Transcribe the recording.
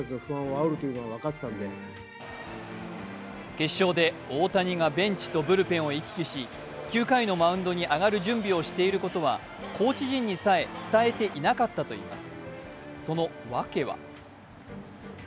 決勝で大谷がベンチとブルペンを行き来し９回のマウンドに上がる準備をしていることはコーチ陣にさえ伝えていなかったといいます。